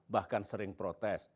bahkan sering protes